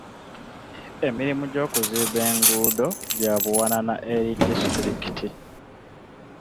Emirimu gy'okuzimba enguudo gya buwanana eri disitulikiti.